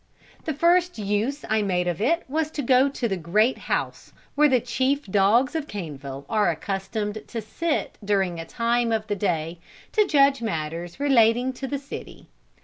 The first use I made of it was to go to the great house where the chief dogs of Caneville are accustomed to sit during a certain time of the day to judge matters relating to the city.